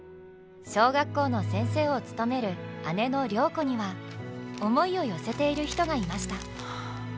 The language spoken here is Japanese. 小学校の先生を務める姉の良子には思いを寄せている人がいました。